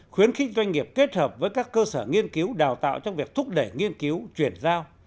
khuyến khích doanh nghiệp kết hợp với các cơ sở nghiên cứu đào tạo trong việc thúc đẩy nghiên cứu chuyển giao